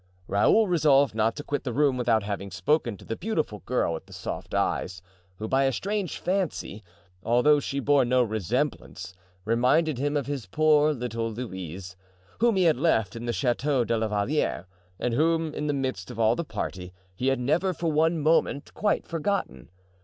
Raoul resolved not to quit the room without having spoken to the beautiful girl with the soft eyes, who by a strange fancy, although she bore no resemblance, reminded him of his poor little Louise, whom he had left in the Chateau de la Valliere and whom, in the midst of all the party, he had never for one moment quite forgotten.